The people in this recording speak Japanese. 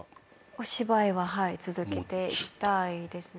お芝居は続けていきたいですね。